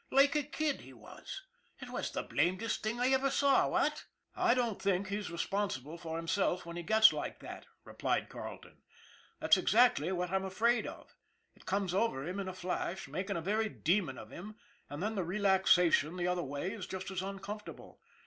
Like a kid, he was. It was the blamedest thing I ever saw, what? "" I don't think he's responsible for himself when he gets like that," replied Carleton. "That's exactly what I am afraid of. It comes over him in a flash, making a very demon of him, and then the relaxation the other way is just as uncontrollable.